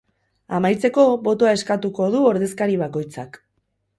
Amaitzeko, botoa eskatuko du ordezkari bakoitzak.